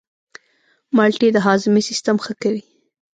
مالټې د هاضمې سیستم ښه کوي.